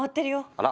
あら。